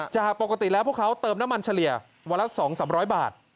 จากปกติแล้วพวกเขาเติมน้ำมันเฉลี่ยวันละ๒๓๐๐บาท